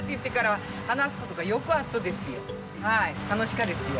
はい楽しかですよ。